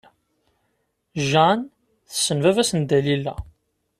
Jane tessen baba-s n Dalila.